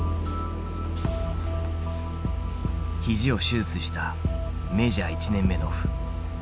肘を手術したメジャー１年目のオフ。